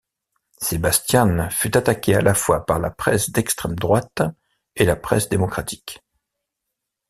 Sebastian fut attaqué à la fois par la presse d'extrême-droite et la presse démocratique.